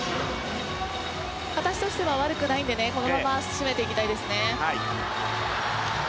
形としては悪くないのでこのまま進めていきたいですね。